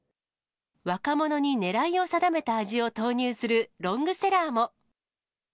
若者に狙いを定めた味を投入するロングセラーも。